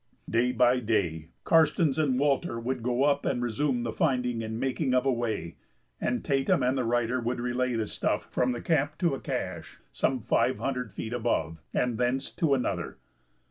Day by day Karstens and Walter would go up and resume the finding and making of a way, and Tatum and the writer would relay the stuff from the camp to a cache, some five hundred feet above, and thence to another.